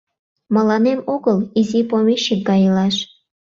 Мыланем огыл изи помещик гай илаш.